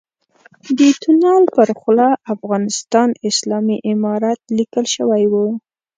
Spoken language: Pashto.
د تونل پر خوله افغانستان اسلامي امارت ليکل شوی و.